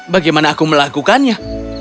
bagaimana aku melakukannya